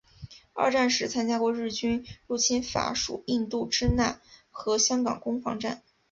二战时参加过日军入侵法属印度支那和香港攻防战。